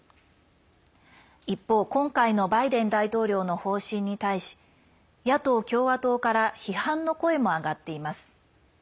一方、今回のバイデン大統領の方針に対し野党・共和党から批判の声も上がっています。